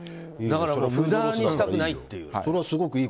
だから無駄にしたくないっていう。